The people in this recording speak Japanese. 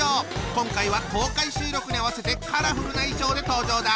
今回は公開収録に合わせてカラフルな衣装で登場だ！